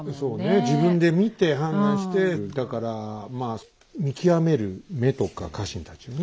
自分で見て判断してだからまあ見極める目とか家臣たちをね。